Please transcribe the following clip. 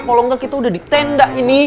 kalo engga kita udah di tenda ini